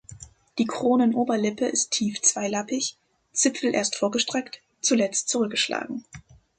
Die Kronen-Oberlippe ist tief zweilappig, Zipfel erst vorgestreckt, zuletzt zurückgeschlagen.